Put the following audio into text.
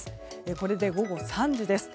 これで午後３時です。